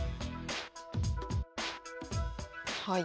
はい。